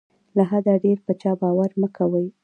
له حده ډېر په چا باور مه کوه.